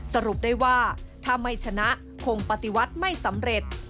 สรุปได้ว่าถ้าไม่ชนะคงปฏิวัติไม่สำเร็จ